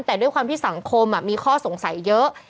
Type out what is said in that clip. แต่ด้วยความที่สังคมมีข้อสงสัยเยอะ